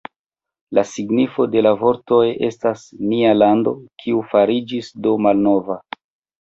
La signifo de la vortoj estas "Nia lando, kiu fariĝis do malnova".